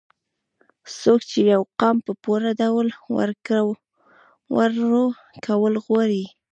څوک چې يو قام په پوره ډول وروکول غواړي